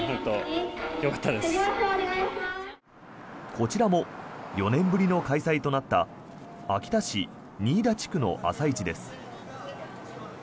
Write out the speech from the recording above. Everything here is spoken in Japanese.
こちらも４年ぶりの開催となった秋田市仁井田地区の朝市です。